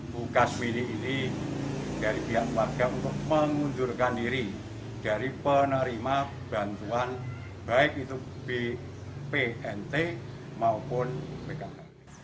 bu kasmini ini dari pihak keluarga untuk mengundurkan diri dari penerima bantuan baik itu bpnt maupun pkh